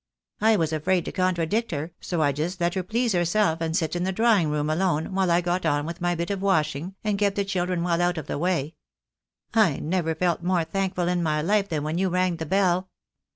I was afraid to contradict her, so I just let her please 2 52 THE DAY WILL COME. herself and sit in the drawing room alone, while I got on with my bit of washing, and kept the children well out of the way. I never felt more thankful in my life than when you rang the bell."